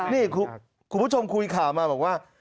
นี่คุณผู้ชมคุยข่าวมาบอกว่า